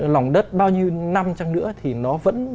lòng đất bao nhiêu năm chẳng nữa thì nó vẫn